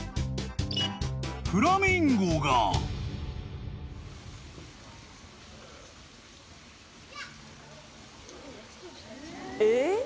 ［フラミンゴが］え？